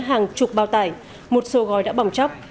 hàng chục bao tải một số gói đã bỏng chóc